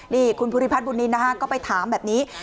นี่คุณภูริพัฒนบุญนินนะฮะก็ไปถามแบบนี้